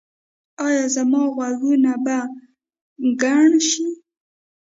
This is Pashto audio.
ایا زما غوږونه به کڼ شي؟